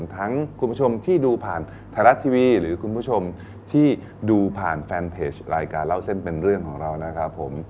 คุณผู้ชมที่ดูผ่านไทยรัฐทีวีหรือคุณผู้ชมที่ดูผ่านแฟนเพจรายการเล่าเส้นเป็นเรื่องของเรานะครับผม